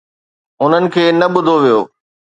انهن کي نه ٻڌو ويو.